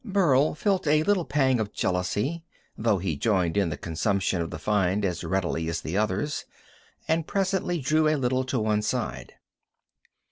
Burl felt a little pang of jealousy, though he joined in the consumption of the find as readily as the others, and presently drew a little to one side.